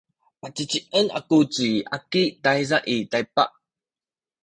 pacicien aku ci Aki tayza i Taypak.